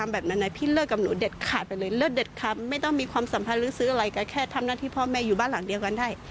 แบบ๑๓๒๐เปอร์เซนต์แต่มันมีความผูกพันมากกว่า